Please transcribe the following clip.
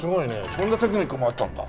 そんなテクニックもあったんだ。